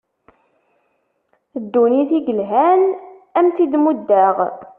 Ddunit i yelhan ad am-tt-id muddeɣ.